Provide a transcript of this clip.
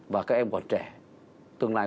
và các em còn trẻ tương lai